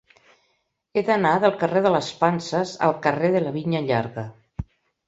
He d'anar del carrer de les Panses al carrer de la Vinya Llarga.